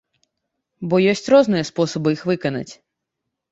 Бо ёсць розныя спосабы іх выканаць.